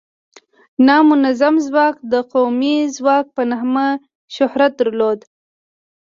نامنظم ځواک د قومي ځواک په نامه شهرت درلوده.